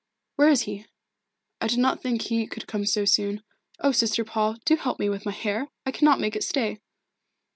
"Where is he? I did not think he could come so soon. Oh, Sister Paul, do help me with my hair! I cannot make it stay."